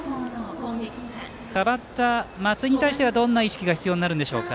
代わった松井に対してはどんな意識が必要になるでしょうか。